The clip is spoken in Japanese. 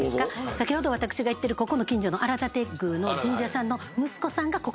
先ほど私が言ってるここの近所の荒立宮の神社さんの息子さんがここの宮司さんやってます。